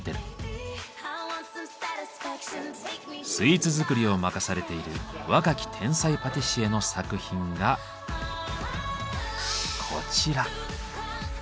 スイーツ作りを任されている若き天才パティシエの作品がこちら。